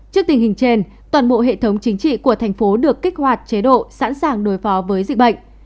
trước tình hình trên toàn bộ hệ thống chính trị của thành phố được kích hoạt chế độ sẵn sàng đối phó với dịch bệnh